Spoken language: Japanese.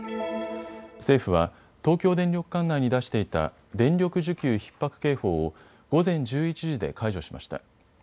政府は東京電力管内に出していた電力需給ひっ迫警報を午前１１時で解除しました。